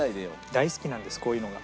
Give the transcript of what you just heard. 大好きなんですこういうのが。